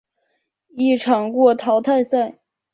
一场过淘汰赛。